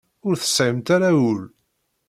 Ur tesɛimt ara ul.